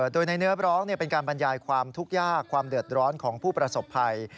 โดยในเนื้อร้องเป็นการบรรยายความทุกข์ยากความเดือดร้อนของผู้ประสบภัย